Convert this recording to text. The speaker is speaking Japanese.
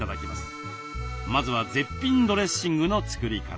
まずは絶品ドレッシングの作り方。